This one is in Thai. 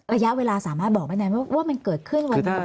ระยะเวลาสามารถบอกได้ไหมว่ามันเกิดขึ้นวันไหน